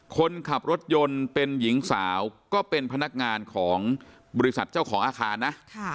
คนขับรถยนต์เป็นหญิงสาวก็เป็นพนักงานของบริษัทเจ้าของอาคารนะ